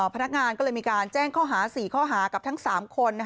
พนักงานก็เลยมีการแจ้งข้อหา๔ข้อหากับทั้ง๓คน